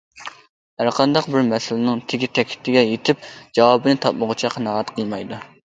ھەرقانداق بىر مەسىلىنىڭ تېگى- تەكتىگە يىتىپ جاۋابىنى تاپمىغۇچە قانائەت قىلمايدۇ.